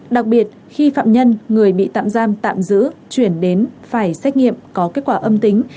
đặc biệt khi phạm nhân người bị tạm giam tạm giữ chuyển đến phải xét nghiệm có kết quả âm tính